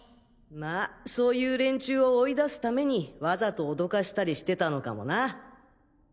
まあそういう連中を追い出すためにわざとおどかしたりしてたのかもな。